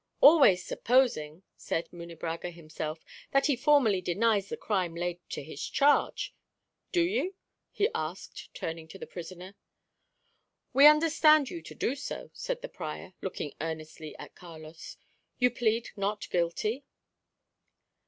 [#] Guardian. "Always supposing," said Munebrãga himself, "that he formally denies the crime laid to his charge. Do you?" he asked, turning to the prisoner. "We understand you so to do," said the prior, looking earnestly at Carlos. "You plead not guilty?"